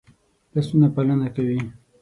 لاسونه پالنه کوي